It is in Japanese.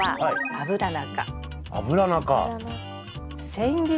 アブラナ。